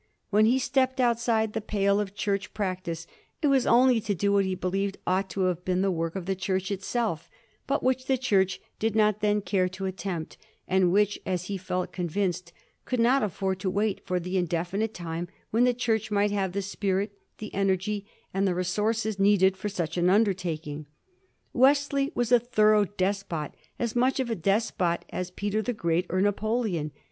Wlien he stepped outside the pale of Church practice it was only to do what he believed ought to have been the work of the Church itself, but which the Church did not then care to attempt, and which, as he felt con vinced, could not afford to wait for the indefinite time when the Church might have the spirit, the energy, and the resources needed for such an undertaking. Wesley was a thorough despot; as much of a despot as Peter the Great or Napoleon.